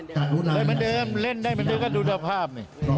ได้เหมือนเดิมเล่นได้เหมือนเดิมก็ดูสภาพนี่